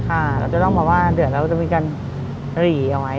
ค่ะเราจะต้องบอกว่าเดือนเราจะมีกันหรี่เอาไว้